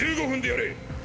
１５分でやれ！！